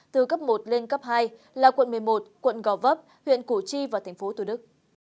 từ cấp một lên cấp hai là quận một mươi một quận gò vấp huyện củ chi và tp thủ đức